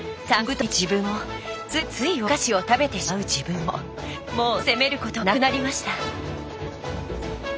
産後太りの自分もついついお菓子を食べてしまう自分ももう責めることはなくなりました。